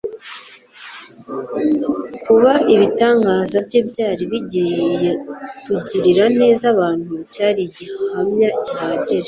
Kuba ibitangaza bye byari bigiye kugirira neza abantu cyari igihamya gihagije.